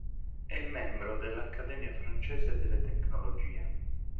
È membro dell'Accademia francese delle tecnologie.